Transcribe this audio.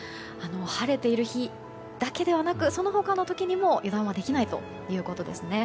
晴れている日だけではなくその他の時にも油断はできないということですね。